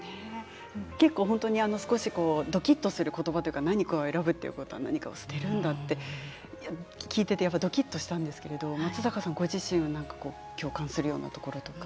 結構本当に少しどきっとする言葉というか何かを選ぶということは何かを捨てるんだって聞いててやっぱりどきっとしたんですけれど松坂さんご自身は共感するようなところとか？